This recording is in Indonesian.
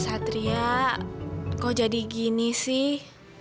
satria kok jadi gini sih